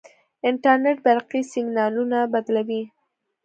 انټرنیټ برقي سیګنالونه بدلوي.